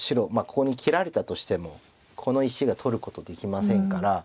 ここに切られたとしてもこの石取ることできませんから。